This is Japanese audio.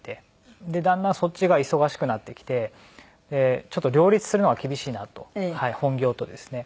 だんだんそっちが忙しくなってきてちょっと両立するのは厳しいなと本業とですね。